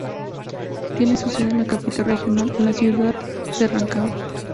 Tiene su sede en la capital regional, la ciudad de Rancagua.